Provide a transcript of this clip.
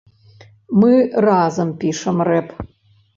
Мы разам пішам рэп.